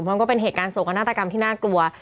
คงก็เป็นเหตุการณ์ส่งของนาตรากรรมที่น่ากลัว